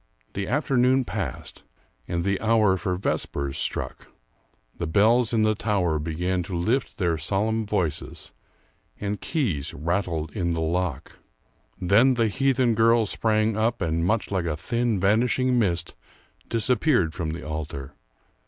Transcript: The afternoon passed, and the hour for vespers struck. The bells in the tower began to lift their solemn voices, and keys rattled in the lock. Then the heathen girl sprang up, and, much like a thin vanishing mist, disappeared from the altar.